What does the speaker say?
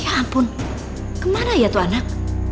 ya ampun kemana ya tuh anak